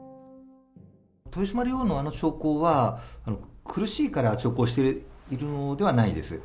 豊島竜王のあの長考は、苦しいから長考しているものではないです。